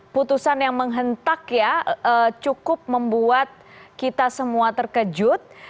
putusan yang menghentak ya cukup membuat kita semua terkejut